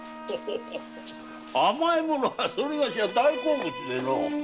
甘いものはそれがしの大好物でのう。